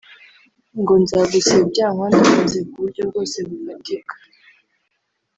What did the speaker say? ngo nzagusebya nkwandagaze ku buryo bwose bufatika